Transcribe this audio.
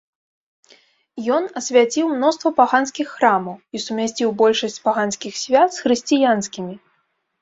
Ён асвяціў мноства паганскіх храмаў і сумясціў большасць паганскіх свят з хрысціянскімі.